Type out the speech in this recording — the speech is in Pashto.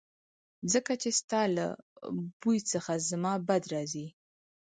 ځکه چې ستا له بوی څخه زما بد راځي